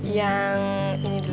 yang ini dulu